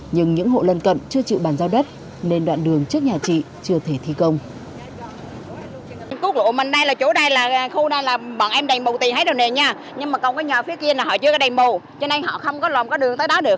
nhưng những hộ lân cận chưa chịu bàn giao đất nên đoạn đường trước nhà chị chưa thể thi công